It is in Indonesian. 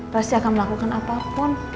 pasti akan melakukan apapun